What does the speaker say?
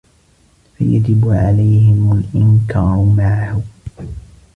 فَيَجِبَ عَلَيْهِمْ الْإِنْكَارُ مَعَهُ